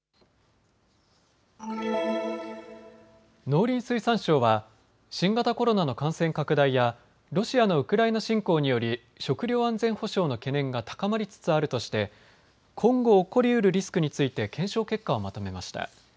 農林水産省は新型コロナの感染拡大やロシアのウクライナ侵攻により食料安全保障の懸念が高まりつつあるとして今後、起こりうるリスクについて検証結果をまとめました。